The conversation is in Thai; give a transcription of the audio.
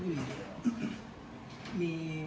เนี่ย